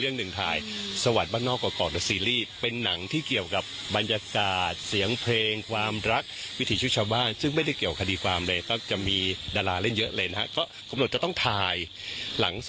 นักแสดงถูกจ้าง